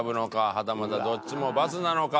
はたまたどっちも×なのか？